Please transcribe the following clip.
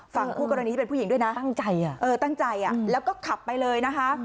ฝั่งคู่กรณีที่เป็นผู้หญิงด้วยนะตั้งใจแล้วก็ขับไปเลยนะคะ